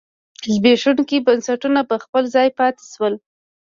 زبېښونکي بنسټونه په خپل ځای پاتې شول.